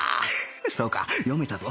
そうか読めたぞ